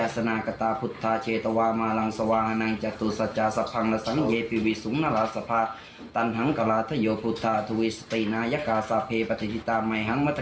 อันนี้เขาไปทำอะไรในวัดแต่ดูข้างหลังเหมือนไม่ใช่วัด